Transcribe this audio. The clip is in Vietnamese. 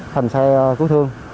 thành xe cứu thương